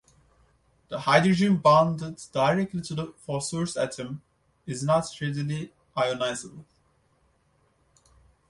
The hydrogen bonded directly to the phosphorus atom is not readily ionizable.